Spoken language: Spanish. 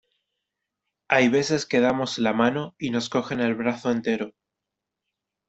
Hay veces que damos la mano, y nos cogen el brazo entero.